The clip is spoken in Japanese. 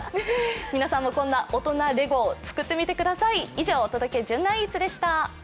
皆さんもこんな大人レゴ、作ってみてください。